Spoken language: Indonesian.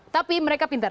tapi mereka pintar